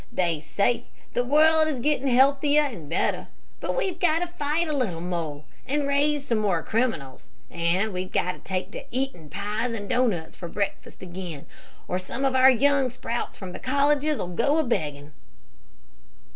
They say the world is getting healthier and better, but we've got to fight a little more, and raise some more criminals, and we've got to take to eating pies and doughnuts for breakfast again, or some of our young sprouts from the colleges will go a begging."